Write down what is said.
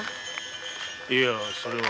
いやそれは。